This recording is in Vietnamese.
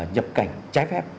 nhập cảnh trái phép